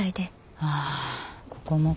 ああここもか。